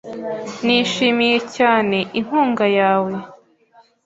Nishimiye cyane. inkunga yawe .